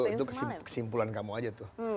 itu kesimpulan kamu aja tuh